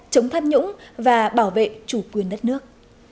chống tham nhũng và bảo vệ chủ quyền đất nước